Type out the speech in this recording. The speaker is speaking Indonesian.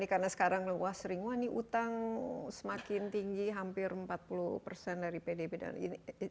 karena sekarang sering mengang utang semakin tinggi hampir empat puluh dari pdb dan sma